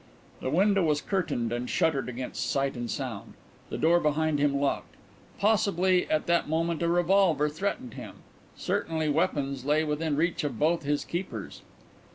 The window was curtained and shuttered against sight and sound, the door behind him locked. Possibly at that moment a revolver threatened him; certainly weapons lay within reach of both his keepers.